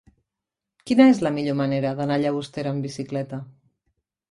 Quina és la millor manera d'anar a Llagostera amb bicicleta?